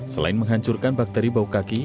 selain menghancurkan bakteri bau kaki